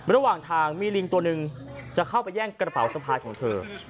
ระหว่างทางมีลิงตัวหนึ่งจะเข้าไปแย่งกระเป๋าสะพายของเธอ